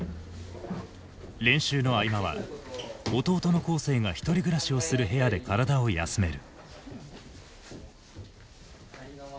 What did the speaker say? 練習の合間は弟の恒成が１人暮らしをする部屋で体を休める。